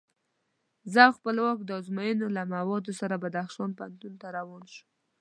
زه او خپلواک د ازموینو له موادو سره بدخشان پوهنتون ته روان شوو.